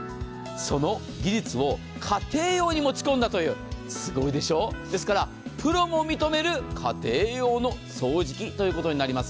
その技術を家庭用に持ち込んだという、すごいでしょう？ですからプロも認める家庭用の掃除機となります。